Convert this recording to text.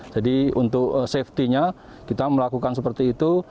jadi untuk safety nya kita melakukan seperti itu